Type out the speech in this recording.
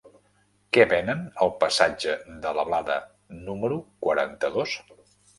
Què venen al passatge de la Blada número quaranta-dos?